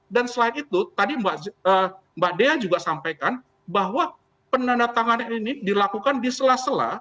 dan selain itu tadi mbak dea juga sampaikan bahwa penadatangannya ini dilakukan di sela sela